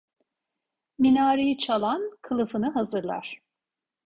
Minareyi çalan kılıfını hazırlar.